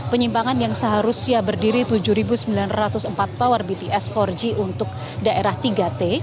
penyimpangan yang seharusnya berdiri tujuh sembilan ratus empat tower bts empat g untuk daerah tiga t